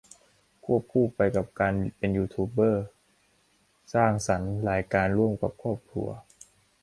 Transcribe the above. ควบคู่ไปกับการเป็นยูทูบเบอร์สร้างสรรค์รายการร่วมกับครอบครัว